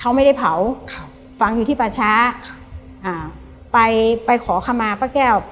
เขาไม่ได้เผาครับฝังอยู่ที่ป่าช้าอ่าไปไปขอขมาป้าแก้ว